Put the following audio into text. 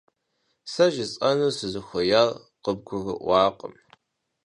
Сэ жысӏэну сызыхуеяр къыбгурыӏуакъым.